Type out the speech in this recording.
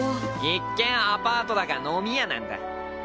一見アパートだが飲み屋なんだ。